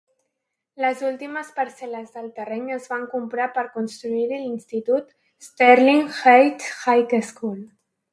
Les últimes parcel·les del terreny es van comprar per construir-hi l'institut Sterling Heights High School.